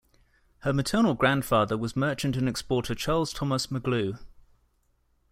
Her maternal grandfather was merchant and exporter Charles Thomas McGlew.